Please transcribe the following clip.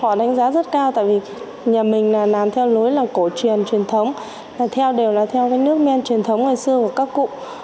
họ đánh giá rất cao tại vì nhà mình làm theo lối là cổ truyền truyền thống theo đều là theo cái nước men truyền thống ngày xưa của các cụ